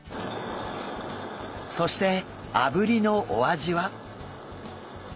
そしてあぶりのお味は？